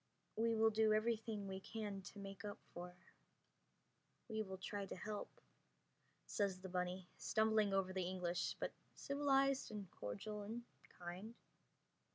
"We will do everything we can to make up for ... we will try to help," says the bunny, stumbling over the English, but civilized and cordial and kind.